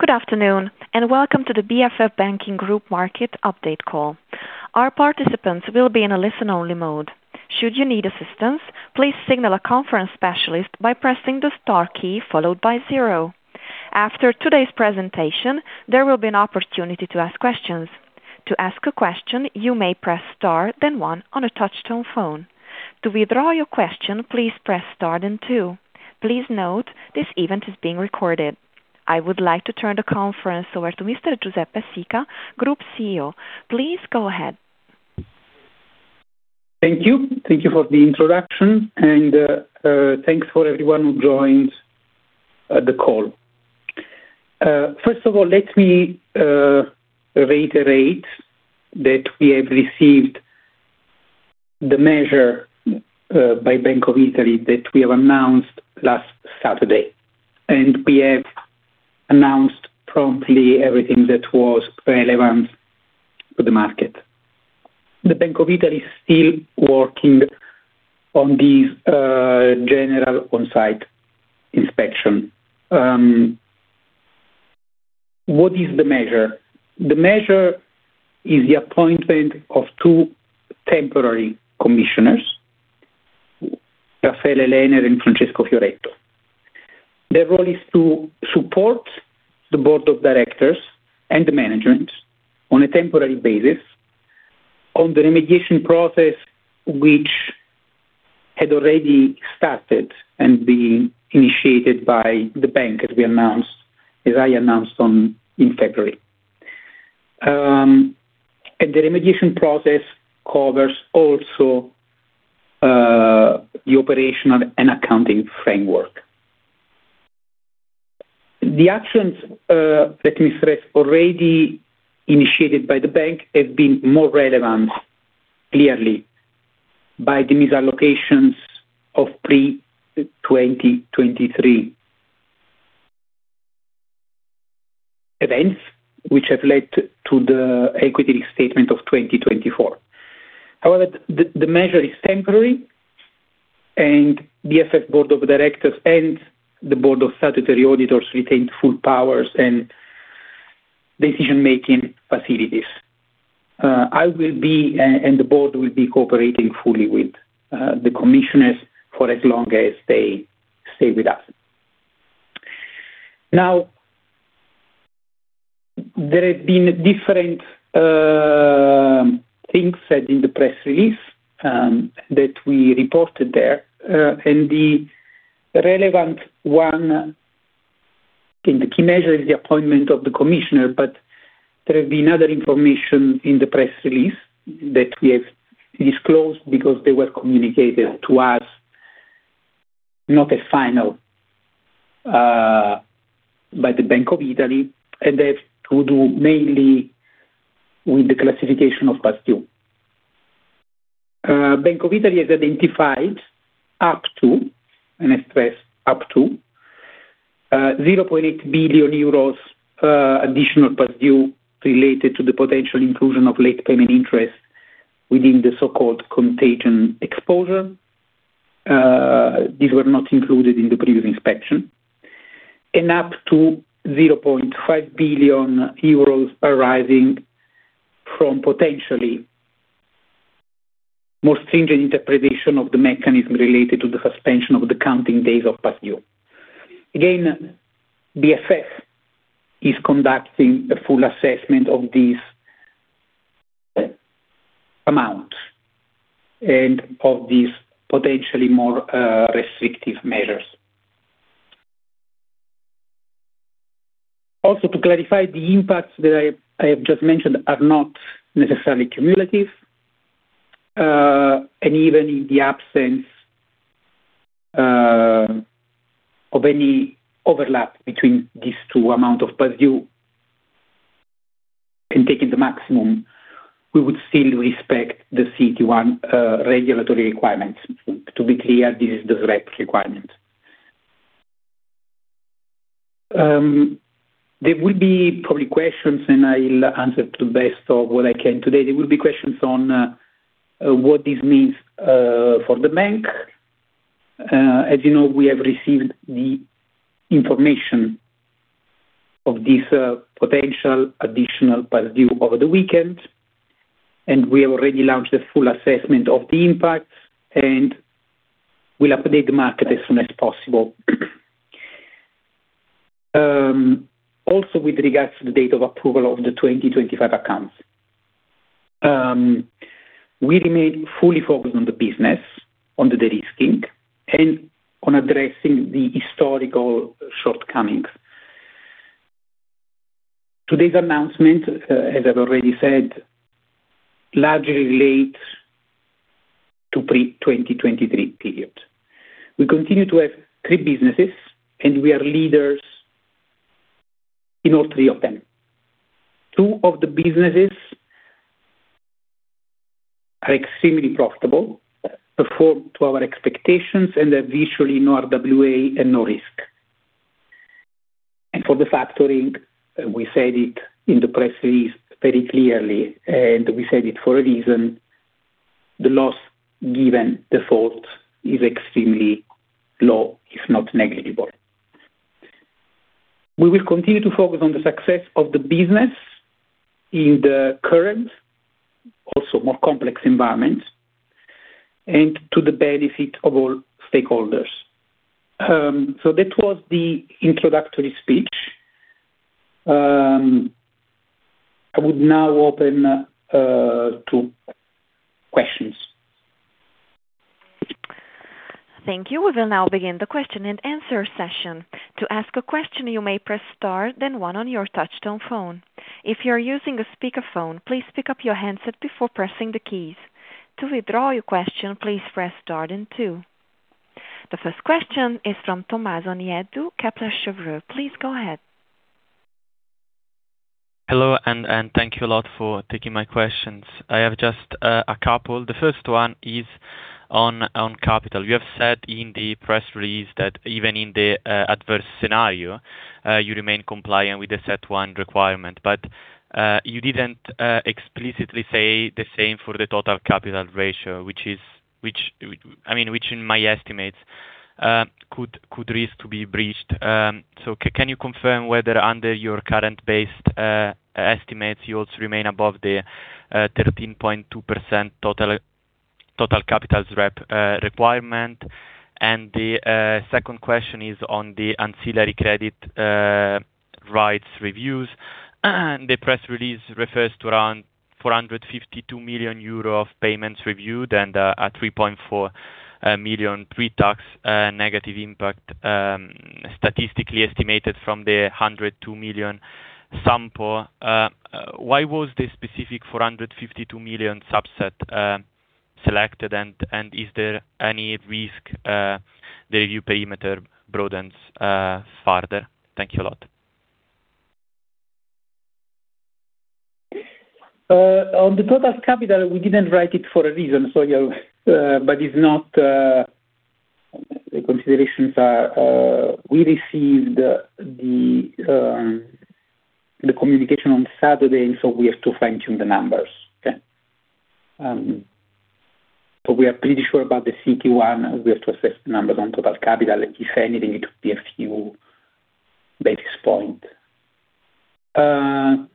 Good afternoon, and welcome to the BFF Banking Group Market Update call. Our participants will be in a listen-only mode. Should you need assistance, please signal a conference specialist by pressing the star key followed by zero. After today's presentation, there will be an opportunity to ask questions. To ask a question, you may press star then one on a touchtone phone. To withdraw your question, please press star then two. Please note this event is being recorded. I would like to turn the conference over to Mr. Giuseppe Sica, Group CEO. Please go ahead. Thank you for the introduction, and thanks for everyone who joined the call. First of all, let me reiterate that we have received the measure by Bank of Italy that we have announced last Saturday. We have announced promptly everything that was relevant to the market. The Bank of Italy is still working on these general on-site inspection. What is the measure? The measure is the appointment of two temporary commissioners, Raffaele Lener and Francesco Fioretto. Their role is to support the Board of Directors and the management on a temporary basis on the remediation process, which had already started and been initiated by the bank, as I announced in February. The remediation process covers also the operational and accounting framework. The actions, let me stress, already initiated by the bank have been more relevant, clearly, by the misallocations of pre-2023 events, which have led to the equity statement of 2024. However, the measure is temporary, and the BFF Board of Directors and the Board of Statutory Auditors retained full powers and decision-making facilities. I will be, and the board will be cooperating fully with, the commissioners for as long as they stay with us. Now, there have been different things said in the press release, that we reported there, and the relevant one. The key measure is the appointment of the commissioner, but there have been other information in the press release that we have disclosed because they were communicated to us, not as final, by the Bank of Italy, and they have to do mainly with the classification of past due. Bank of Italy has identified up to, and I stress up to, 0.8 billion euros additional past due related to the potential inclusion of late payment interest within the so-called contagion exposure. These were not included in the previous inspection. Up to 0.5 billion euros arising from potentially more stringent interpretation of the mechanism related to the suspension of the counting days of past due. Again, BFF is conducting a full assessment of these amounts and of these potentially more restrictive measures. Also, to clarify, the impacts that I have just mentioned are not necessarily cumulative. Even in the absence of any overlap between these two amounts of past due, and taking the maximum, we would still respect the CET1 regulatory requirements. To be clear, this is the direct requirement. There will probably be questions, and I'll answer to the best of what I can today. There will be questions on what this means for the bank. As you know, we have received the information of this potential additional past due over the weekend, and we have already launched a full assessment of the impact, and we'll update the market as soon as possible. Also with regards to the date of approval of the 2025 accounts, we remain fully focused on the business, on the de-risking, and on addressing the historical shortcomings. Today's announcement, as I've already said, largely relates to pre-2023 period. We continue to have three businesses, and we are leaders in all three of them. Two of the businesses are extremely profitable, perform to our expectations and have virtually no RWA and no risk. For the factoring, we said it in the press release very clearly, and we said it for a reason. The loss given default is extremely low, if not negligible. We will continue to focus on the success of the business in the current, also more complex environment, and to the benefit of all stakeholders. That was the introductory speech. I would now open to questions. Thank you. We will now begin the question-and-answer session. To ask a question, you may press star then one on your touchtone phone. If you're using a speakerphone, please pick up your handset before pressing the keys. To withdraw your question, please press star then two. The first question is from Tommaso Nieddu, Kepler Cheuvreux. Please go ahead. Hello, and thank you a lot for taking my questions. I have just a couple. The first one is on capital. You have said in the press release that even in the adverse scenario, you remain compliant with the CET1 requirement. But you didn't explicitly say the same for the total capital ratio, which, I mean, in my estimates could risk to be breached. So can you confirm whether under your current based estimates you also remain above the 13.2% total capital ratio requirement? The second question is on the ancillary credit rights reviews. The press release refers to around 452 million euro of payments reviewed and a 3.4 million pretax negative impact, statistically estimated from the 102 million sample. Why was this specific 452 million subset selected? Is there any risk the review perimeter broadens farther? Thank you a lot. On the total capital, we didn't write it for a reason, but it's not—the considerations are, we received the communication on Saturday, we have to fine-tune the numbers. We are pretty sure about the Q1. We have to assess the numbers on total capital. If anything, it could be a few basis points. On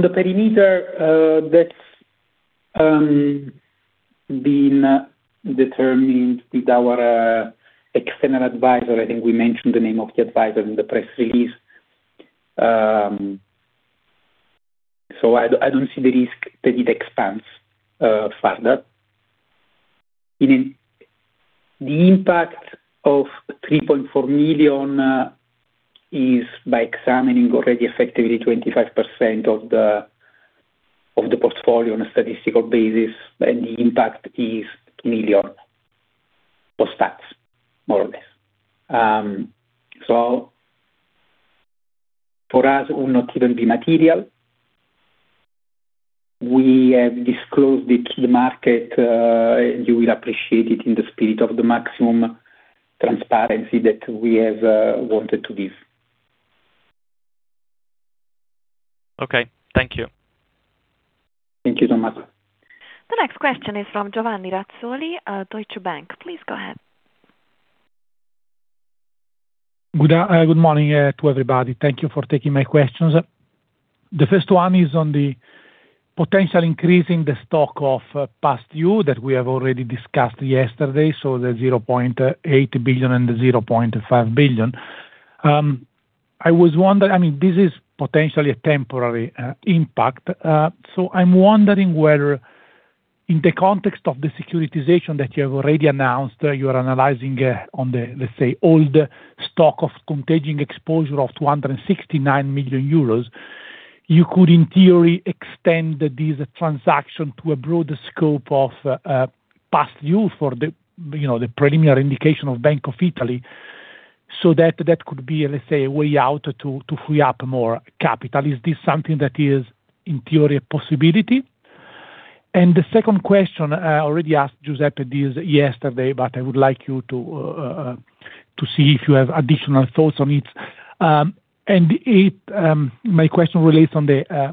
the perimeter, that's been determined with our external advisor. I think we mentioned the name of the advisor in the press release. I don't see the risk that it expands further. The impact of 3.4 million is by examining already effectively 25% of the portfolio on a statistical basis, and the impact is 2 million post-tax, more or less. For us it will not even be material. We have disclosed the key market. You will appreciate it in the spirit of the maximum transparency that we have wanted to give. Okay. Thank you. Thank you, Tommas. The next question is from Giovanni Razzoli at Deutsche Bank. Please go ahead. Good morning to everybody. Thank you for taking my questions. The first one is on the potential increase in the stock of past due that we have already discussed yesterday, so the 0.8 billion and the 0.5 billion. I was wonder—I mean, this is potentially a temporary impact. So I'm wondering whether in the context of the securitization that you have already announced, you are analyzing on the, let's say, older stock of contagion exposure of 269 million euros. You could, in theory, extend this transaction to a broader scope of past due for the, you know, the preliminary indication of Bank of Italy. So that could be, let's say, a way out to free up more capital. Is this something that is, in theory, a possibility? I already asked Giuseppe this yesterday, but I would like you to see if you have additional thoughts on it. My question relates on the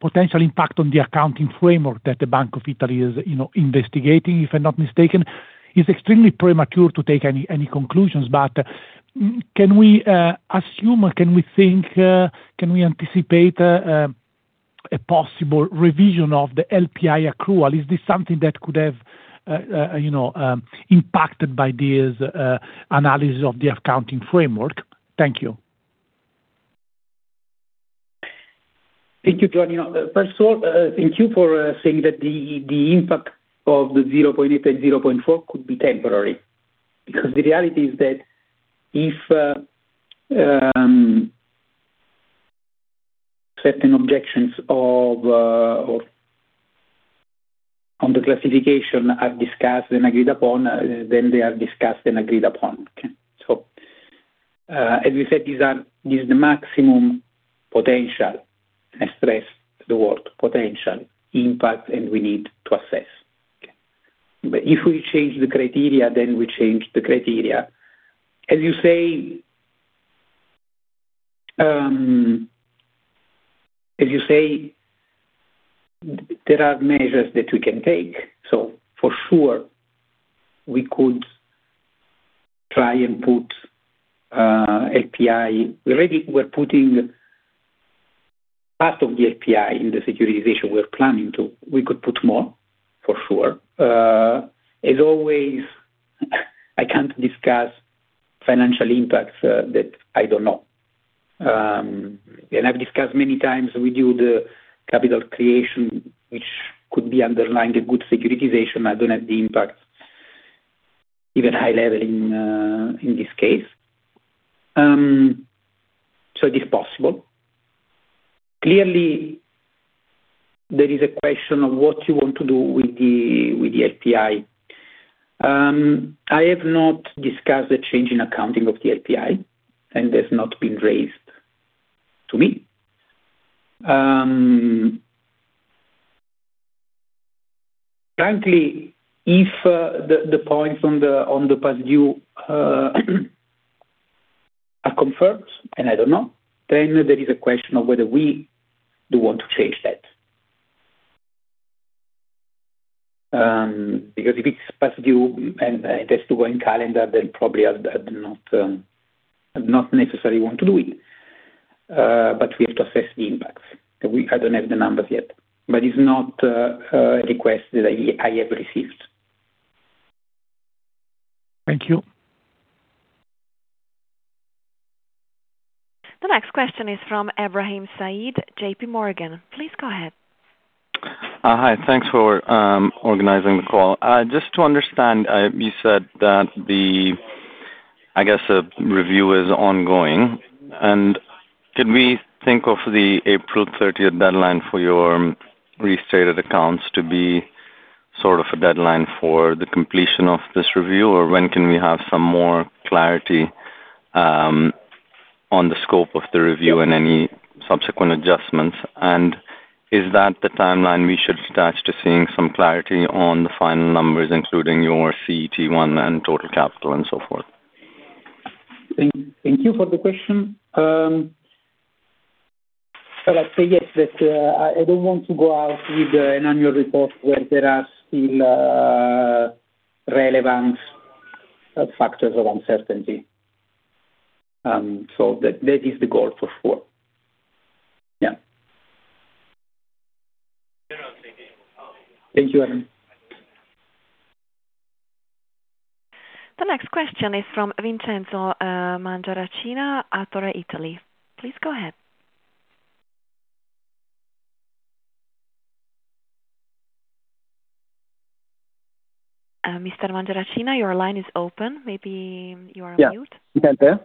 potential impact on the accounting framework that the Bank of Italy is, you know, investigating, if I'm not mistaken. It's extremely premature to take any conclusions, but can we assume or can we think, can we anticipate a possible revision of the LPI accrual? Is this something that could have, you know, impacted by this analysis of the accounting framework? Thank you. Thank you, Giovanni. First of all, thank you for saying that the impact of the 0.8% and 0.4% could be temporary. Because the reality is that if certain objections on the classification are discussed and agreed upon, then they are discussed and agreed upon. Okay. As you said, this is the maximum potential. I stress the word potential impact, and we need to assess. If we change the criteria, then we change the criteria. As you say, there are measures that we can take. For sure we could try and put LPI. Already we're putting part of the LPI in the securitization. We're planning to—we could put more for sure. As always, I can't discuss financial impacts that I don't know. I've discussed many times we do the capital creation, which could be underlying a good securitization. I don't have the impact, even high level in this case. It is possible. Clearly there is a question of what you want to do with the LPI. I have not discussed the change in accounting of the LPI, and it's not been raised to me. Frankly, if the points on the past due are confirmed, and I don't know, then there is a question of whether we do want to change that. Because if it's past due and it has to go in calendar, then probably I'd not necessarily want to do it. We have to assess the impacts. I don't have the numbers yet, but it's not a request that I have received. Thank you. The next question is from Ebrahim Saeed, JPMorgan. Please go ahead. Hi. Thanks for organizing the call. Just to understand, you said that I guess the review is ongoing. Can we think of the April 30th deadline for your restated accounts to be sort of a deadline for the completion of this review? Or when can we have some more clarity on the scope of the review and any subsequent adjustments? Is that the timeline we should attach to seeing some clarity on the final numbers, including your CET1 and total capital and so forth? Thank you for the question. I say yes, but I don't want to go out with an annual report where there are still relevant factors of uncertainty. That is the goal for sure. Yeah. Thank you, Ebrahim. The next question is from Vincenzo Mangiaracina, Athora Italy. Please go ahead. Mr. Mangiaracina, your line is open. Maybe you're on mute. Yeah. You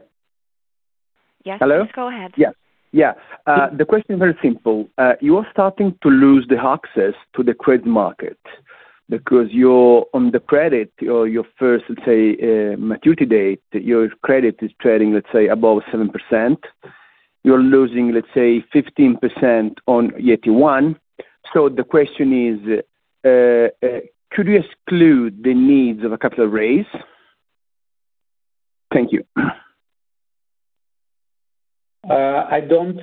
can hear? Yes. Hello. Please go ahead. The question is very simple. You are starting to lose the access to the credit market because you're on the credit or your first, let's say, maturity date, your credit is trading, let's say, above 7%. You're losing, let's say, 15% on AT1. The question is, could we exclude the needs of a capital raise? Thank you. I don't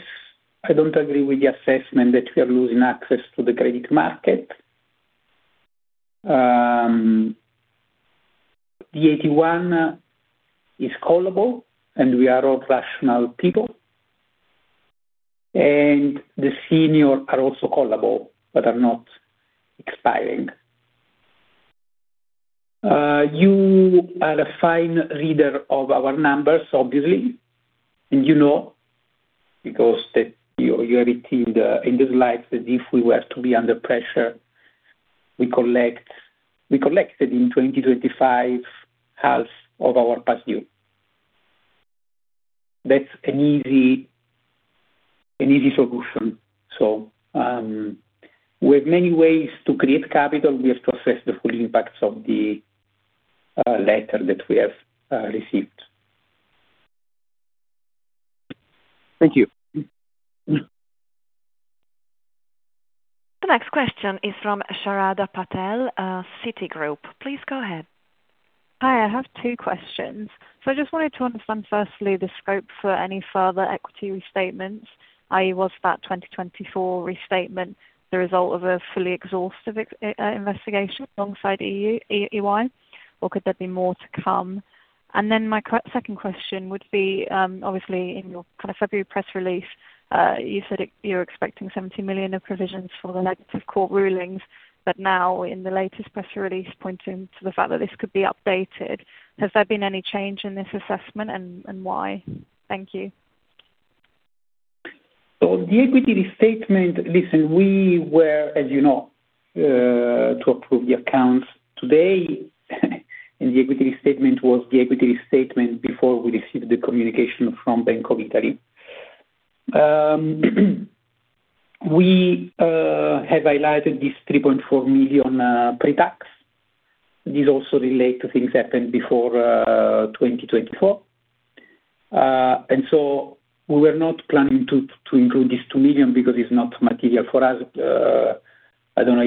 agree with the assessment that we are losing access to the credit market. The AT1 is callable, and we are all rational people. The senior are also callable, but are not expiring. You are a fine reader of our numbers, obviously. You know, because you have it in the slides that if we were to be under pressure, we collected in 2025 halves of our past due. That's an easy solution. We have many ways to create capital. We have to assess the full impacts of the letter that we have received. Thank you. The next question is from Sharada Patel, Citigroup. Please go ahead. Hi. I have two questions. I just wanted to understand, firstly, the scope for any further equity restatements, i.e., was that 2024 restatement the result of a fully exhaustive investigation alongside [AT1]? Or could there be more to come? My second question would be, obviously in your kind of February press release, you said you're expecting 70 million of provisions for the negative court rulings. Now in the latest press release pointing to the fact that this could be updated, has there been any change in this assessment and why? Thank you. The equity statement. Listen, we were, as you know, to approve the accounts today, and the equity statement was the equity statement before we received the communication from Bank of Italy. We have highlighted this 3.4 million pretax. These also relate to things happened before 2024. We were not planning to include this 2 million because it's not material for us. I don't know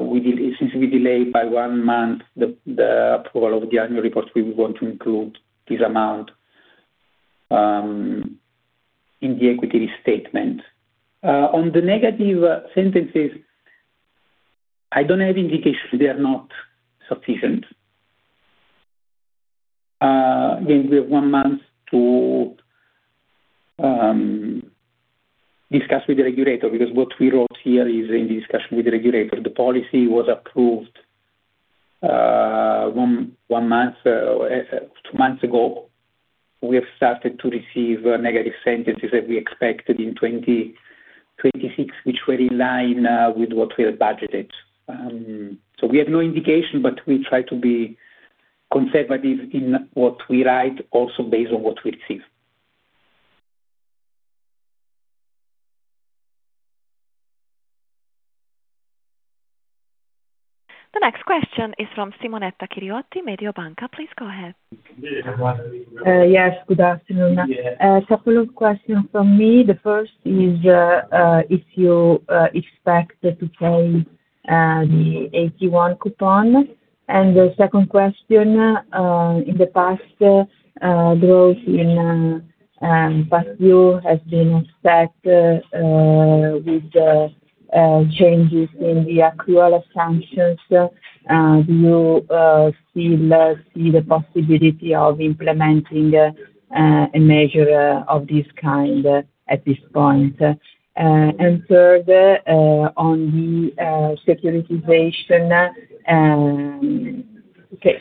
if we decided. Since we delayed by one month the approval of the annual report, we were going to include this amount in the equity statement. On the negative sentences, I don't have indication they are not sufficient. Again, we have one month to discuss with the regulator, because what we wrote here is in discussion with the regulator. The policy was approved one month or two months ago. We have started to receive negative sentiments that we expected in 2026, which were in line with what we had budgeted. We have no indication, but we try to be conservative in what we write also based on what we receive. The next question is from Simonetta Chiriotti, Mediobanca. Please go ahead. Yes, good afternoon. Several questions from me. The first is, if you expect to pay the AT1 coupon. The second question, in the past, growth in past year has been stacked with the changes in the accrual assumptions. Do you still see the possibility of implementing a measure of this kind at this point? And third, on the securitization,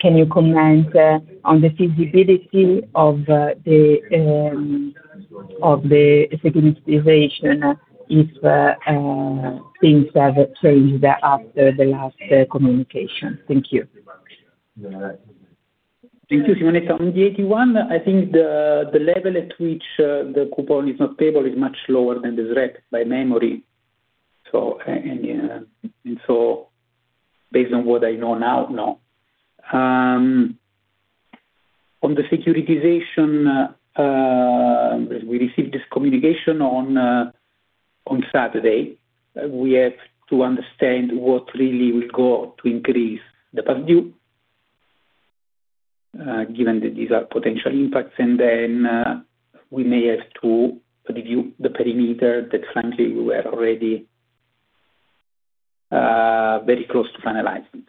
can you comment on the feasibility of the securitization if things have changed after the last communication? Thank you. Thank you, Simonetta Chiriotti. On the AT1, I think the level at which the coupon is not payable is much lower than I remember. Based on what I know now, no. On the securitization, we received this communication on Saturday. We have to understand what really will go to increase the past due, given that these are potential impacts. We may have to review the perimeter that frankly we were already very close to finalizing.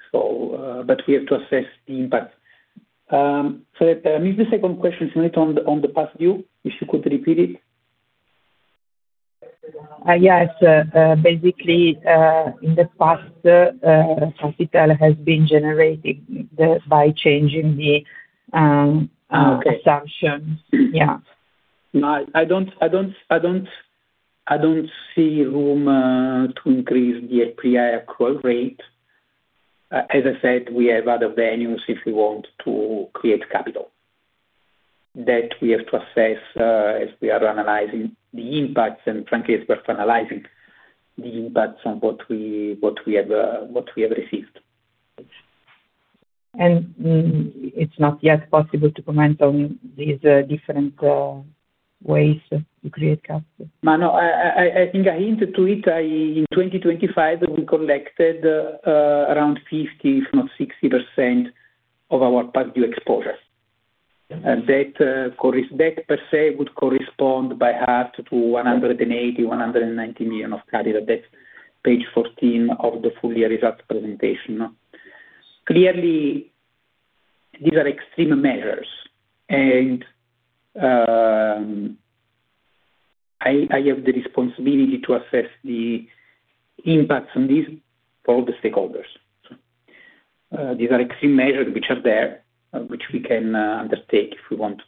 We have to assess the impact. Is the second question, Simonetta, on the past due? If you could repeat it. Yes. Basically, in the past, capital has been generated by changing the assumptions. Yeah. No, I don't see room to increase the LPI accrual rate. As I said, we have other venues if we want to create capital that we have to assess as we are analyzing the impacts, and frankly, as we're finalizing the impacts on what we have received. It's not yet possible to comment on these different ways to create capital? No, no. I think I hinted to it. In 2025, we collected around 50%, if not 60% of our past due exposure. That per se would correspond by half to 180 million, 190 million of capital. That's page 14 of the full year results presentation. Clearly, these are extreme measures and I have the responsibility to assess the impacts on this for the stakeholders. These are extreme measures which are there, which we can undertake if we want.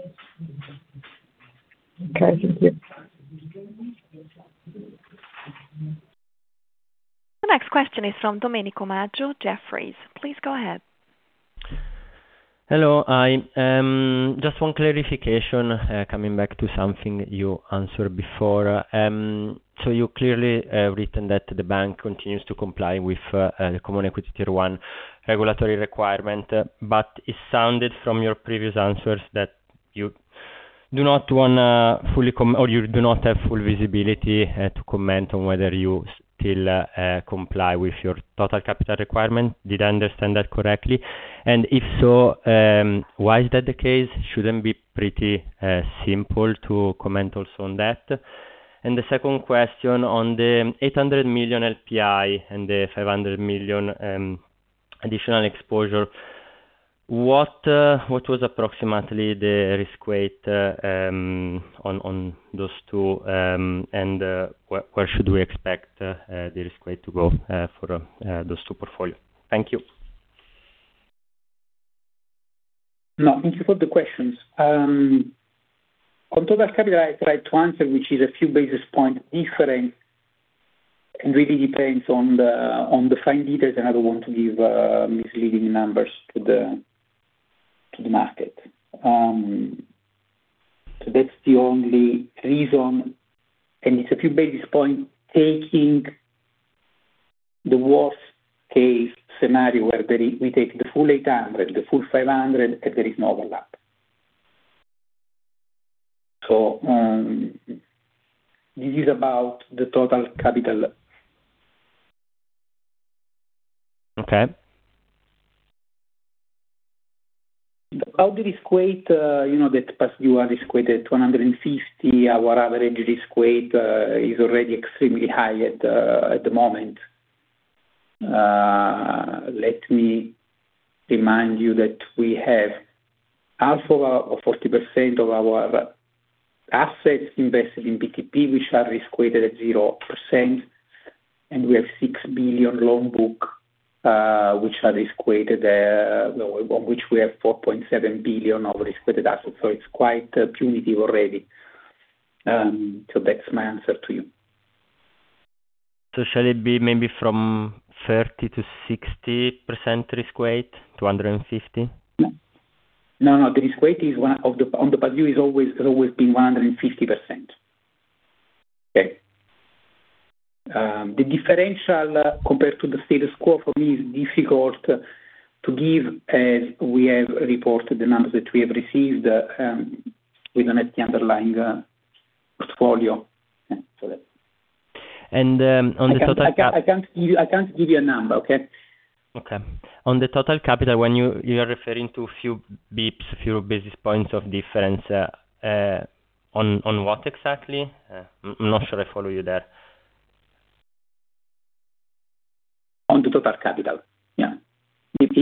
Okay. Thank you. The next question is from Domenico Maggio, Jefferies. Please go ahead. Hello. I just have one clarification coming back to something you answered before. You clearly have written that the bank continues to comply with the common equity tier one regulatory requirement. It sounded from your previous answers that you do not wanna or you do not have full visibility to comment on whether you still comply with your total capital requirement. Did I understand that correctly? If so, why is that the case? Shouldn't it be pretty simple to comment also on that? The second question on the 800 million LPI and the 500 million additional exposure, what was approximately the risk weight on those two? Where should we expect the risk weight to go for those two portfolio? Thank you. No, thank you for the questions. On total capital, I tried to answer, which is a few basis points different. It really depends on the fine details, and I don't want to give misleading numbers to the market. That's the only reason, and it's a few basis points taking the worst case scenario where we take the full 800 million, the full 500 million, and there is no overlap. This is about the total capital. Okay. Now the risk weight, you know that past due is weighted 250. Our average risk weight is already extremely high at the moment. Let me remind you that we have also 40% of our assets invested in BTP, which are risk weighted at 0%, and we have 6 billion loan book, which are risk weighted at, which we have 4.7 billion of risk-weighted assets. It's quite punitive already. That's my answer to you. Shall it be maybe from 30%-60% risk weight to 250%? No. The risk weight on the past due is always been 150%. Okay. The differential compared to the status quo for me is difficult to give as we have reported the numbers that we have received with the net underlying portfolio. On the total capital— I can't give you a number, okay? Okay. On the total capital, when you are referring to a few basis points of difference, on what exactly? I'm not sure I follow you there. On the total capital. Yeah. It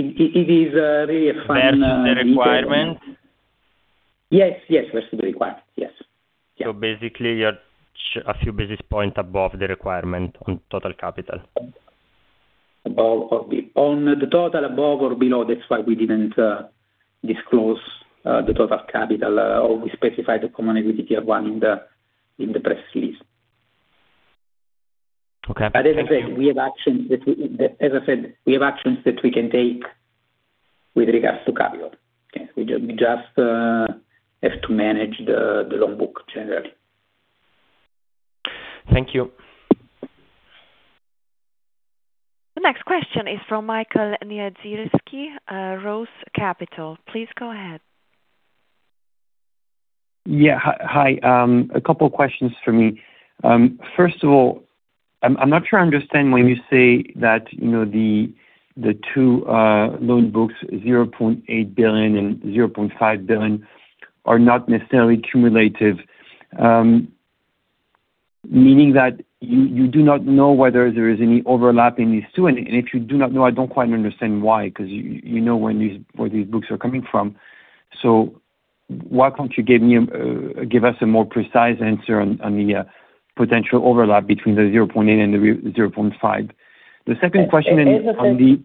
is really a final— Versus the requirement? Yes, yes, versus the requirement. Yes. Yeah. Basically, you're a few basis points above the requirement on total capital. On the total, above or below, that's why we didn't disclose the total capital, or we specified the common equity tier one in the press release. Okay. As I said, we have actions that we can take with regards to capital. Okay. We just have to manage the loan book generally. Thank you. The next question is from Michael Niedzielski, ROCE Capital. Please go ahead. Yeah. Hi, hi. A couple questions for me. First of all, I'm not sure I understand when you say that, you know, the two loan books, 0.8 billion and 0.5 billion are not necessarily cumulative. Meaning that you do not know whether there is any overlap in these two. If you do not know, I don't quite understand why, 'cause you know where these books are coming from. Why can't you give us a more precise answer on the potential overlap between the 0.8 billion and the 0.5 billion? The second question on the- As I said—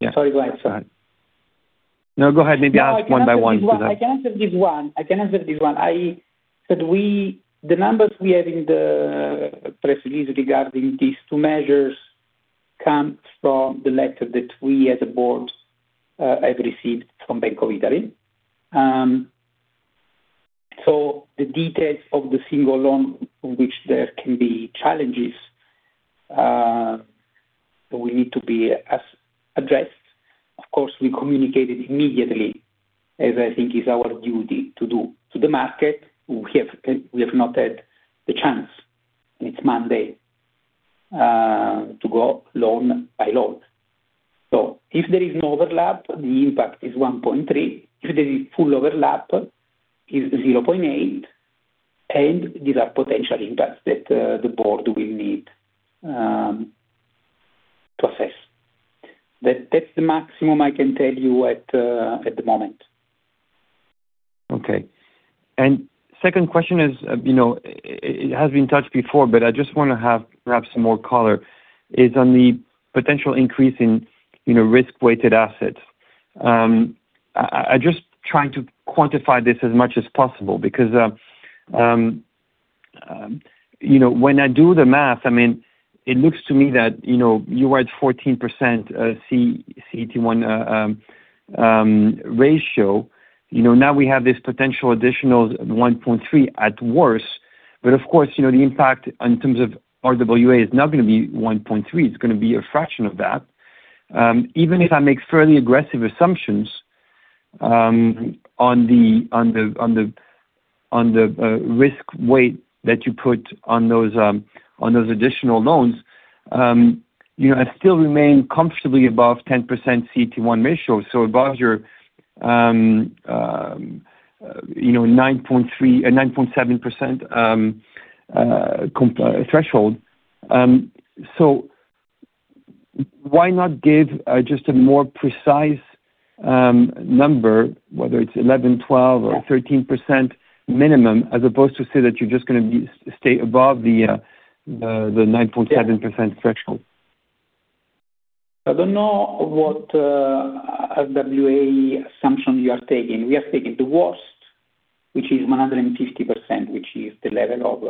Yeah. Sorry, go ahead. Sorry. No, go ahead. Maybe I'll have one by one so that. No, I can answer this one. The numbers we have in the press release regarding these two measures come from the letter that we as a board have received from Bank of Italy. The details of the single loan on which there can be challenges we need to address. Of course, we communicated immediately, as I think is our duty to do. To the market, we have not had the chance, it's Monday, to go loan by loan. If there is no overlap, the impact is 1.3%. If there is full overlap, is 0.8%. These are potential impacts that the board will need to assess. That's the maximum I can tell you at the moment. Okay. Second question is, you know, it has been touched before, but I just wanna have perhaps some more color on the potential increase in, you know, risk-weighted assets. I just trying to quantify this as much as possible because, you know, when I do the math, I mean, it looks to me that, you know, you are at 14% CET1 ratio. Now we have this potential additional 1.3% at worst. But of course, you know, the impact in terms of RWA is not gonna be 1.3%, it's gonna be a fraction of that. Even if I make fairly aggressive assumptions on the risk weight that you put on those additional loans, you know, I still remain comfortably above 10% CET1 ratio, so above your 9.3%, 9.7% comfort threshold. Why not give just a more precise number, whether it's 11%, 12%— Yeah. 13% minimum, as opposed to say that you're just gonna stay above the 9.7% — Yeah. —threshold? I don't know what RWA assumption you are taking. We are taking the worst, which is 150%, which is the level of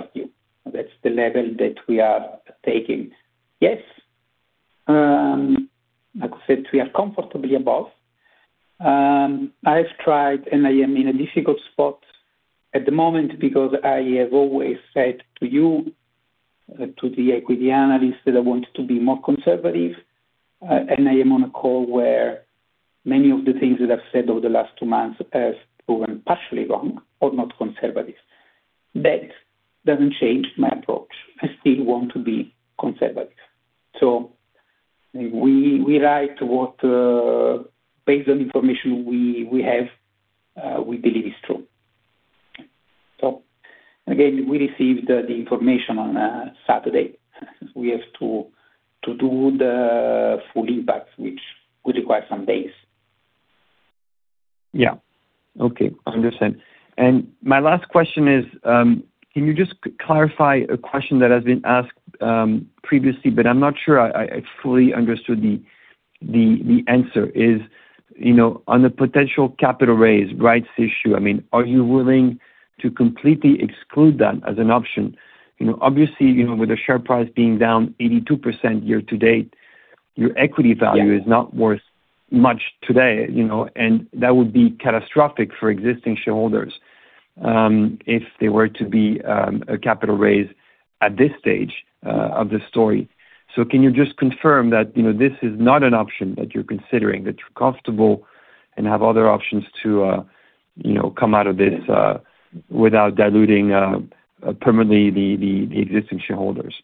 past due. That's the level that we are taking. Yes, like I said, we are comfortably above. I've tried, and I am in a difficult spot at the moment, because I have always said to you, to the equity analysts, that I want to be more conservative, and I am on a call where many of the things that I've said over the last two months has proven partially wrong or not conservative. That doesn't change my approach. I still want to be conservative. We write what, based on information we have, we believe is true. Again, we received the information on Saturday. We have to do the full impact, which would require some days. Yeah. Okay. I understand. My last question is, can you just clarify a question that has been asked previously, but I'm not sure I fully understood the answer, you know, on a potential capital raise rights issue. I mean, are you willing to completely exclude that as an option? You know, obviously, you know, with the share price being down 82% year to date, your equity value. Yeah. It is not worth much today, you know. That would be catastrophic for existing shareholders, if there were to be a capital raise at this stage of the story. Can you just confirm that, you know, this is not an option that you're considering, that you're comfortable and have other options to, you know, come out of this, without diluting permanently the existing shareholders?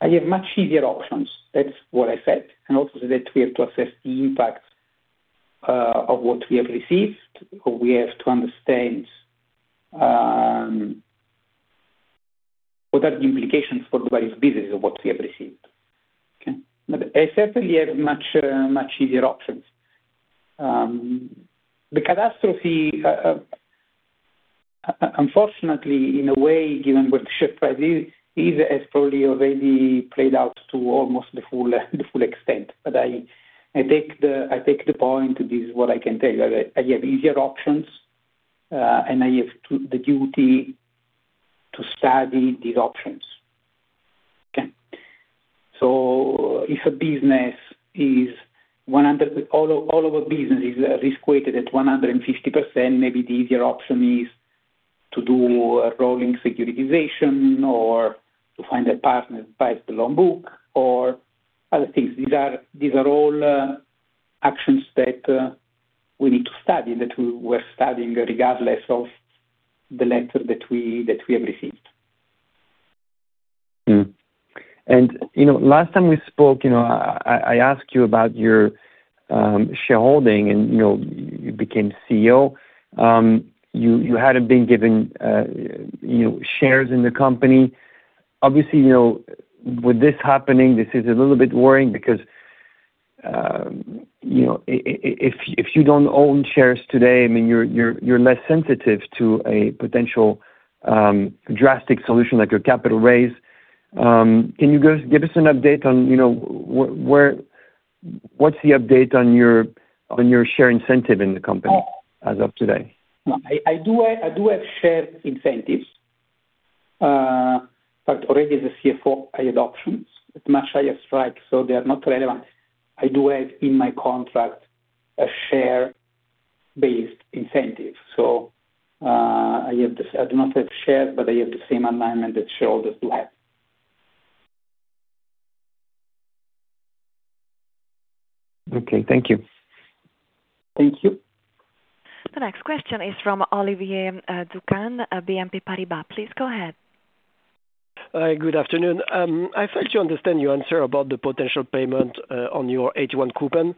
I have much easier options. That's what I said. Also that we have to assess the impact, of what we have received, or we have to understand, what are the implications for various business of what we have received. Okay. I certainly have much easier options. The catastrophe, unfortunately, in a way, given what the share price is, has probably already played out to almost the full extent. I take the point. This is what I can tell you. I have easier options, and I have the duty to study these options. Okay. All of our business is risk weighted at 150%, maybe the easier option is to do a rolling securitization or to find a partner to buy the loan book or other things. These are all actions that we need to study, that we're studying regardless of the letter that we have received. You know, last time we spoke, you know, I asked you about your shareholding and, you know, you became CEO. You hadn't been given shares in the company. Obviously, you know, with this happening, this is a little bit worrying because, you know, if you don't own shares today, I mean, you're less sensitive to a potential drastic solution like a capital raise. Can you give us an update on, you know, where. What's the update on your share incentive in the company as of today? No. I do have share incentives. Already as a CFO, I had options at much higher strike, so they are not relevant. I do have in my contract a share-based incentive. I do not have shares, but I have the same alignment that shareholders will have. Okay. Thank you. Thank you. The next question is from Olivier Doukhan of BNP Paribas. Please go ahead. Good afternoon. I fail to understand your answer about the potential payment on your AT1 coupon.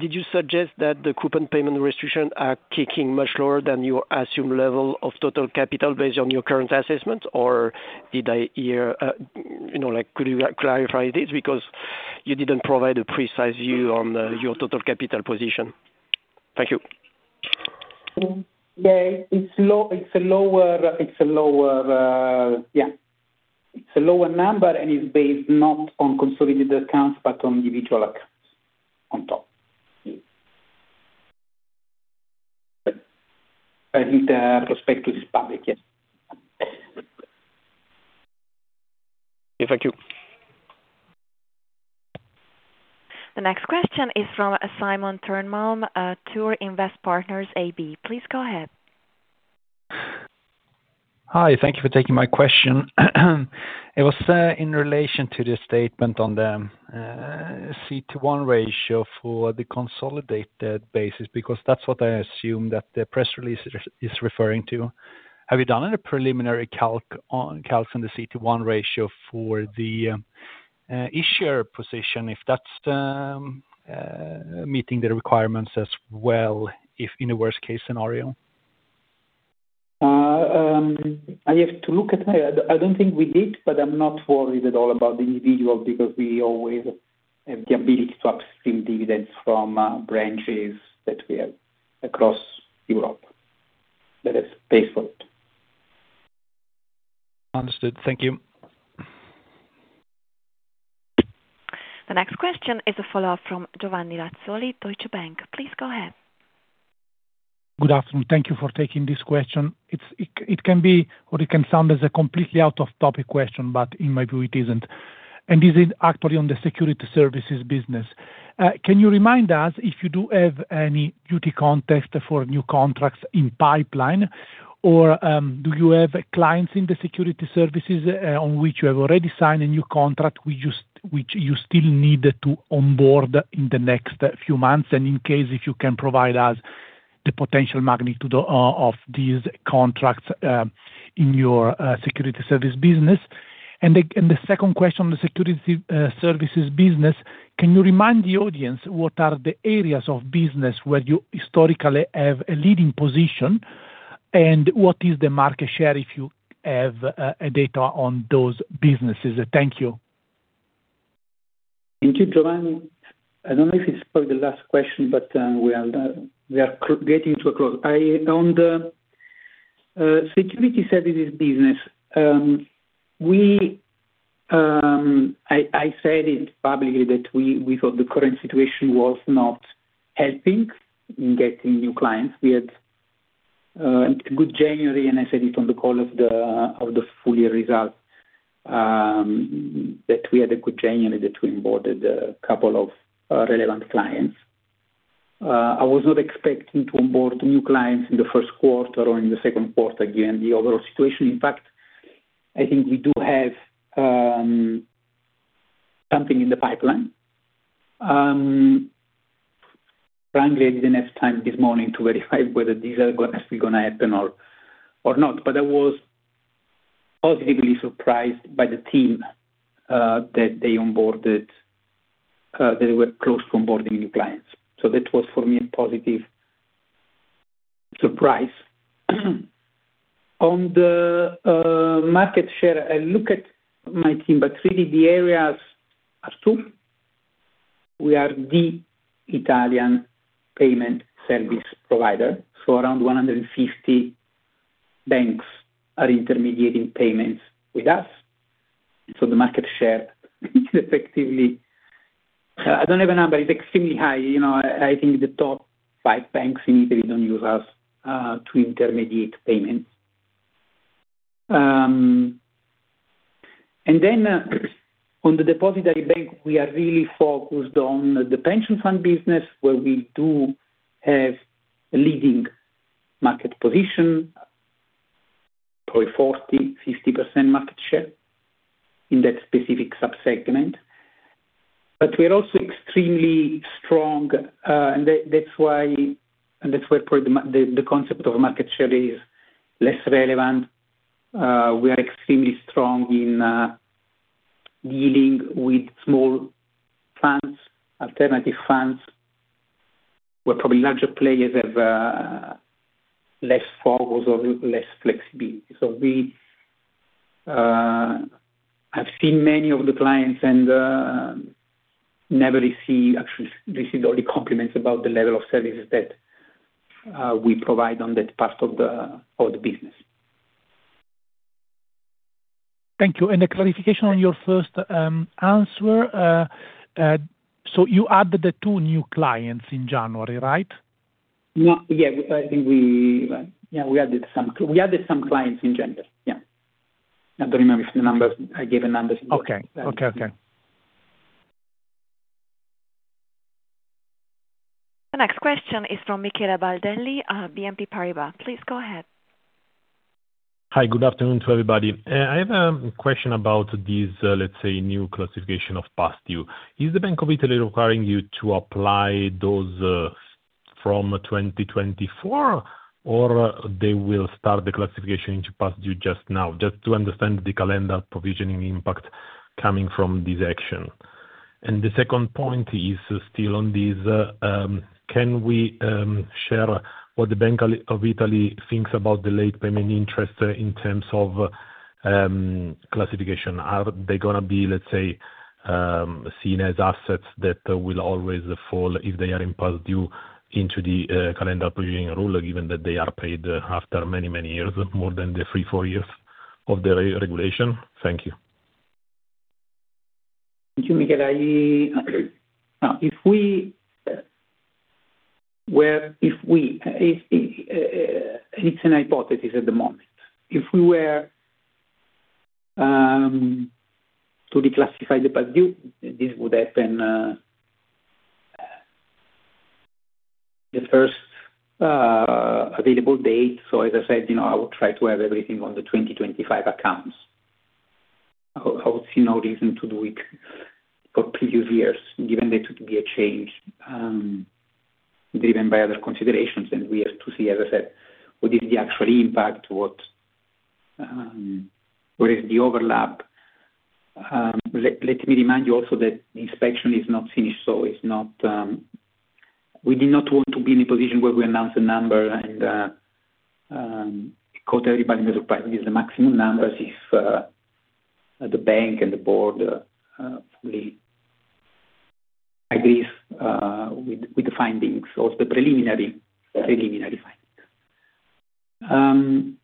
Did you suggest that the coupon payment restrictions are kicking much lower than your assumed level of total capital based on your current assessment? Or did I hear, you know. Like, could you clarify this because you didn't provide a precise view on your total capital position. Thank you. Yeah. It's low. It's a lower number, and it's based not on consolidated accounts, but on individual accounts on top. I think the perspective is public. Yes. Yeah. Thank you. The next question is from Simon Törnmalm, Ture Invest Partners AB. Please go ahead. Hi. Thank you for taking my question. It was in relation to the statement on the CET1 ratio for the consolidated basis, because that's what I assume that the press release is referring to. Have you done any preliminary calc on the CET1 ratio for the issuer position, if that's meeting the requirements as well, if in a worst case scenario? I don't think we did, but I'm not worried at all about the individual, because we always have the ability to access team dividends from branches that we have across Europe that has paid for it. Understood. Thank you. The next question is a follow-up from Giovanni Razzoli, Deutsche Bank. Please go ahead. Good afternoon. Thank you for taking this question. It can be or it can sound as a completely off-topic question, but in my view, it isn't. This is actually on the Securities Services business. Can you remind us if you do have any outlook for new contracts in pipeline or do you have clients in the Securities Services on which you have already signed a new contract which you still need to onboard in the next few months? In case if you can provide us the potential magnitude of these contracts in your Securities Services business. The second question on the Securities Services business, can you remind the audience what are the areas of business where you historically have a leading position? What is the market share if you have a data on those businesses? Thank you. Thank you, Giovanni. I don't know if it's probably the last question, but we are done. We are getting to a close. On the Securities Services business, I said it probably that we thought the current situation was not helping in getting new clients. We had a good January, and I said it on the call of the full year results that we had a good January that we onboarded a couple of relevant clients. I was not expecting to onboard new clients in the first quarter or in the second quarter, given the overall situation. In fact, I think we do have something in the pipeline. Frankly, I didn't have time this morning to verify whether these are actually gonna happen or not. I was positively surprised by the team that they onboarded. They were close to onboarding new clients. That was for me a positive surprise. On the market share, I look at my team, but really the areas are two. We are the Italian payment service provider, so around 150 banks are intermediating payments with us. The market share is effectively. I don't have a number. It's extremely high. You know, I think the top five banks in Italy don't use us to intermediate payments. On the depository bank, we are really focused on the pension fund business where we do have a leading market position, probably 40%-50% market share in that specific sub-segment. We're also extremely strong, and that's why probably the concept of market share is less relevant. We are extremely strong in dealing with small funds, alternative funds, where probably larger players have less focus or less flexibility. We have seen many of the clients and actually receive only compliments about the level of services that we provide on that part of the business. Thank you. A clarification on your first answer. You added the two new clients in January, right? No. Yeah, I think we added some clients in January. Yeah. I don't remember the numbers. I gave the numbers in the presentation. Okay. The next question is from Michele Baldelli at BNP Paribas. Please go ahead. Hi. Good afternoon to everybody. I have a question about this, let's say, new classification of past due. Is the Bank of Italy requiring you to apply those from 2024, or they will start the classification into past due just now? Just to understand the calendar provisioning impact coming from this action. The second point is still on this, can we share what the Bank of Italy thinks about the late payment interest in terms of classification? Are they gonna be, let's say, seen as assets that will always fall if they are in past due into the calendar provisioning rule, given that they are paid after many years, more than the three, four years of the regulation? Thank you. Thank you, Michele. Now, if it's an hypothesis at the moment. If we were to declassify the past due, this would happen the first available date. As I said, you know, I would try to have everything on the 2025 accounts. I would see no reason to do it for previous years, given there to be a change driven by other considerations, and we have to see, as I said, what is the actual impact, what, where is the overlap. Let me remind you also that the inspection is not finished, so it's not. We do not want to be in a position where we announce a number and caught everybody by surprise with the maximum numbers if the bank and the board fully agrees with the findings or the preliminary findings.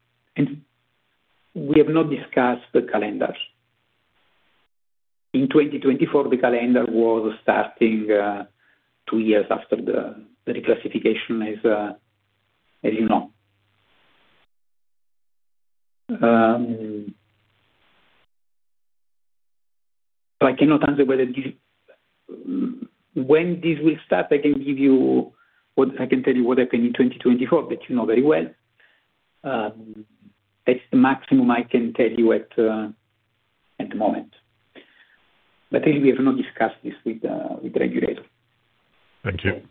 We have not discussed the calendar. In 2024, the calendar was starting two years after the reclassification, as you know. I cannot answer when this will start. I can tell you what happened in 2024, but you know very well. That's the maximum I can tell you at the moment. Really we have not discussed this with the regulator. Thank you.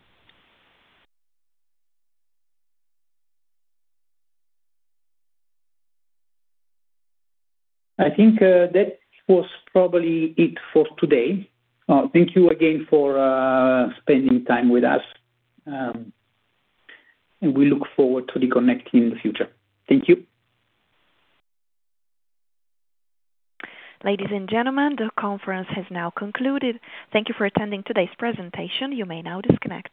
I think that was probably it for today. Thank you again for spending time with us, and we look forward to reconnecting in the future. Thank you. Ladies and gentlemen, the conference has now concluded. Thank you for attending today's presentation. You may now disconnect.